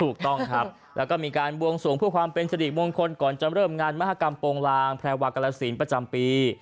ถูกต้องครับแล้วก็มีการบวงสวงเพื่อความเป็นสิริมงคลก่อนจะเริ่มงานมหากรรมโปรงลางแพรวากรสินประจำปี